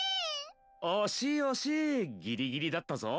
おしいおしいギリギリだったぞ！